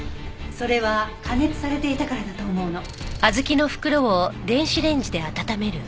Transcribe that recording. それは加熱されていたからだと思うの。